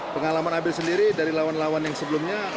pengalaman abil sendiri dari lawan lawan yang sebelumnya